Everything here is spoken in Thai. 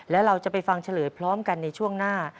แล้วเราจะไปฟังเฉลยพร้อมกันในช่วงหน้า